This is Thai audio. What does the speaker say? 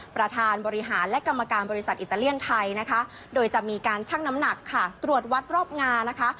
ประธานบริหารและกรรมการบริษัทอิตาเลียนไทยนะคะโดยจะมีการชั่งน้ำหนักค่ะตรวจวัดรอบงานะคะ